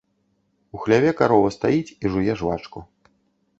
У хляве карова стаіць і жуе жвачку.